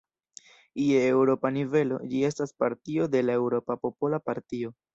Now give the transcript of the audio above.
Je eŭropa nivelo, ĝi estas partio de la Eŭropa Popola Partio.